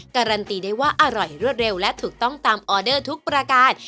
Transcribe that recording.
การันตีได้ว่าอร่อยรวดเร็วและถูกต้องตามออเดอร์ทุกประการ